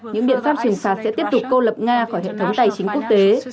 những biện pháp trừng phạt sẽ tiếp tục cô lập nga khỏi hệ thống tài chính quốc tế